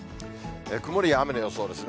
曇りや雨の予想ですね。